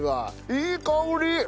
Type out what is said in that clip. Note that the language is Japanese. いい香り！